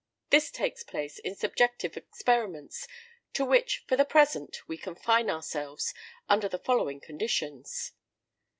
This takes place in subjective experiments, to which, for the present, we confine ourselves, under the following conditions.